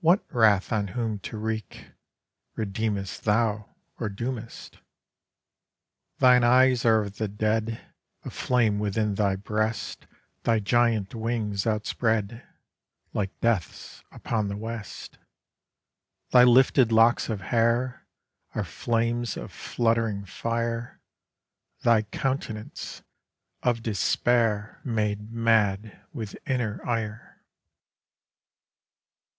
What wrath on whom to wreak? Redeemest thou, or doomest? Thine eyes are of the dead; A flame within thy breast Thy giant wings outspread, Like Death's, upon the west Thy lifted locks of hair Are flames of fluttering fire; Thy countenance, of Despair Made mad with inner ire.